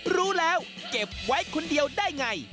รู้แล้วเก็บไว้คนเดียวได้ไง